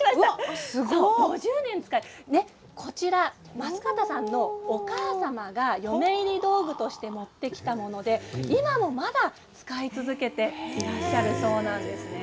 増形さんのお母様が嫁入り道具として持ってきたもので今もまだ使い続けていらっしゃるそうなんです。